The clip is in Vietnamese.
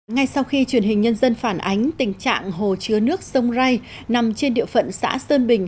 ngay sau khi truyền hình nhân dân phản ánh tình trạng hồ chứa nước sông rai nằm trên địa phận xã sơn bình